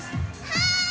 はい！